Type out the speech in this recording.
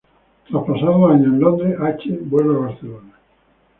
Tras pasar dos años en Londres, Hache vuelve a Barcelona.